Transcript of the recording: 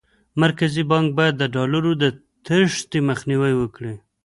مرکزي بانک باید د ډالرو د تېښتې مخنیوی وکړي.